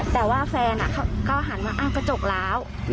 แต่ว่าแฟนก็หันมาอ้าวกระจกล้าว